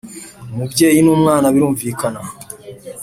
Umubyeyi n ‘umwana barumvikana.